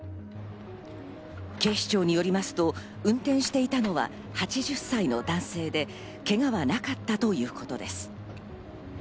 警視庁によりますと運転していたのは８０歳の男性で、ケガはなかったということです。